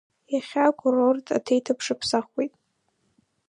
Иахьа акурорт аҭеиҭыԥш аԥсахуеит.